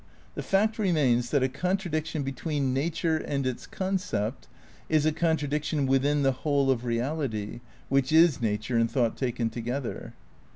The fact remains that a contradiction between nature and its concept is a contradiction within the whole of reality which is nature and thought taken to gether.